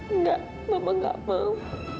enggak mama gak mau